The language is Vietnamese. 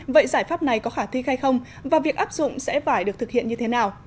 vậy giải pháp này có khả thi hay không và việc áp dụng sẽ phải được thực hiện như thế nào